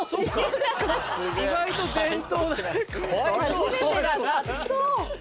初めてが納豆。